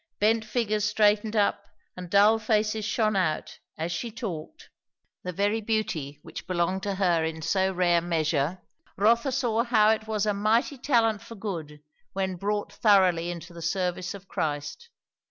Bent figures straightened up, and dull faces shone out, as she talked. The very beauty which belonged to her in so rare measure, Rotha saw how it was a mighty talent for good when brought thoroughly into the service of Christ.